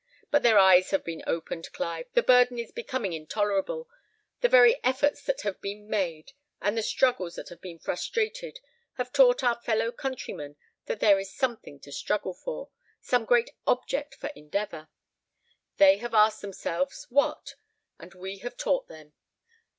"But their eyes have been opened, Clive; the burden is becoming intolerable; the very efforts that have been made, and the struggles that have been frustrated, have taught our fellow countrymen that there is something to struggle for, some great object for endeavour. They have asked themselves, what? and we have taught them.